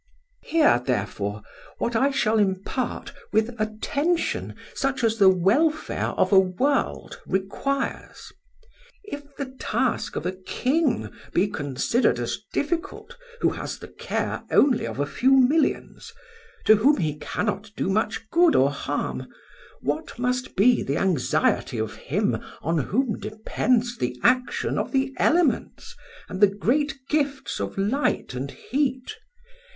"'HEAR, therefore, what I shall impart with attention, such as the welfare of a world requires. If the task of a king be considered as difficult, who has the care only of a few millions, to whom he cannot do much good or harm, what must be the anxiety of him on whom depends the action of the elements and the great gifts of light and heat?